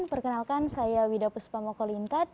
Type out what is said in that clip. perkenalkan saya widapus pamukulintad